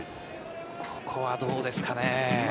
ここはどうですかね。